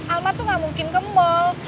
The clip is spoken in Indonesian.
almar tuh gak mungkin ke mall